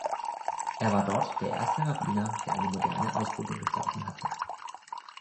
Er war dort der erste Rabbiner, der eine moderne Ausbildung durchlaufen hatte.